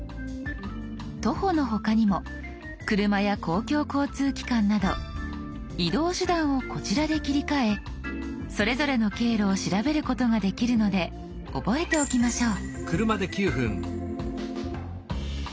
徒歩の他にも車や公共交通機関など移動手段をこちらで切り替えそれぞれの経路を調べることができるので覚えておきましょう。